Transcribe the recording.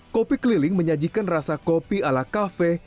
kopi keliling menyajikan rasa kopi ala kafe